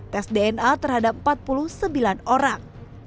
tes dna terhadap empat puluh sembilan orang